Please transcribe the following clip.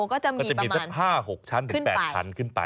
ก็จะมีประมาณ๕๖ชั้นหรือ๘ชั้นขึ้นไป